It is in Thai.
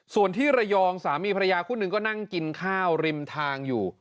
ส่วนที่ระยองสามีภรรยาคู่หนึ่งก็นั่งกินข้าวริมทางอยู่